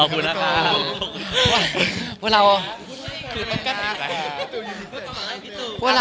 พวกเราก็ไปรู้กัน